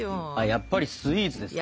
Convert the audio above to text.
やっぱりスイーツですか？